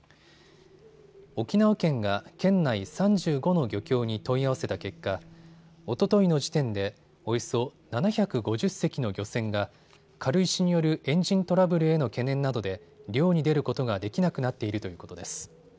沖縄県が県内３５の漁協に問い合わせた結果、おとといの時点でおよそ７５０隻の漁船が軽石によるエンジントラブルへの懸念などで漁に出ることができなくなっているということです。